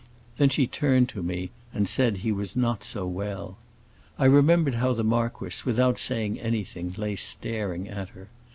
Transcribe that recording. Then she turned to me and said he was not so well; I remember how the marquis, without saying anything, lay staring at her.